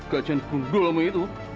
gajian gondol lama itu